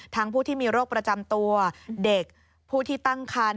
ผู้ที่มีโรคประจำตัวเด็กผู้ที่ตั้งคัน